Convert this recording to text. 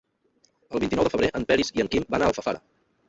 El vint-i-nou de febrer en Peris i en Quim van a Alfafara.